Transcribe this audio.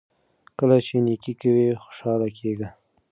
کله چې نیکي کوئ خوشحاله کیږئ.